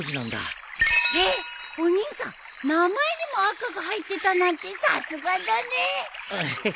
えっお兄さん名前にも赤が入ってたなんてさすがだね。エヘヘ。